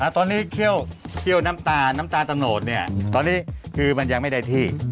ตอนนี้เคี่ยวน้ำตาลน้ำตาลตะโนดตอนนี้คือมันยังไม่ได้ที่